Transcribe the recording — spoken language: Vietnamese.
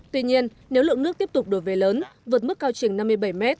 tuy nhiên nếu lượng nước tiếp tục đổ về lớn vượt mức cao trình năm mươi bảy m